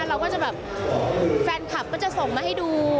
เราก็จะแบบแฟนคลับก็จะส่งมาให้ดู